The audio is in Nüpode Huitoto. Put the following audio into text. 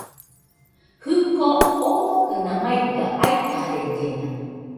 Jɨko omokɨna maiga, aikarellena